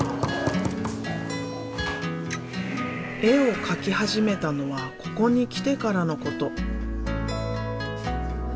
絵を描き始めたのはここに来てからのこと。